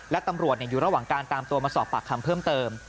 และตำรวจอยู่ระหว่างการตามตัวมาสอบปากคำเพิ่มเติม